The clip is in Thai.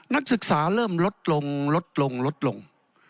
นักศึกษาเริ่มลดลงลดลงลดลง